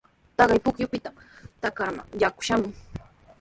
Taqay pukyupitami trakraaman yaku shamun.